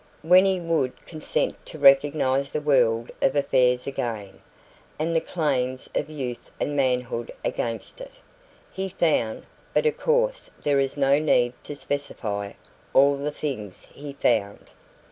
When he would consent to recognise the world of affairs again, and the claims of youth and manhood against it, he found but of course there is no need to specify all the things he found.